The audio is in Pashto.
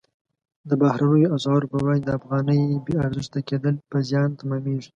د بهرنیو اسعارو پر وړاندې د افغانۍ بې ارزښته کېدل په زیان تمامیږي.